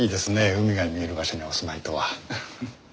海が見える場所にお住まいとは。